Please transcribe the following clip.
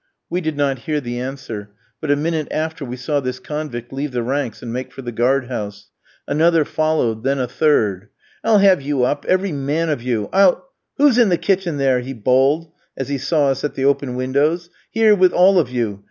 We did not hear the answer; but a minute after we saw this convict leave the ranks and make for the guard house. Another followed, then a third. "I'll have you up, every man of you. I'll Who's in the kitchen there?" he bawled, as he saw us at the open windows. "Here with all of you!